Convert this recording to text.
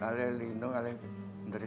ada yang lindung ada yang tidak siap